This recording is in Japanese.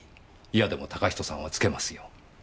嫌でも嵩人さんはつけますよ。